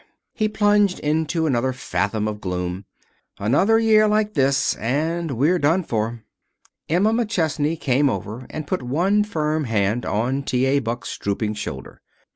He plunged into another fathom of gloom. "Another year like this and we're done for." Emma McChesney came over and put one firm hand on T. A. Buck's drooping shoulder.